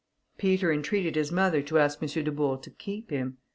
Peter entreated his mother to ask M. Dubourg to keep him.